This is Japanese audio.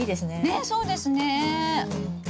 ねっそうですね。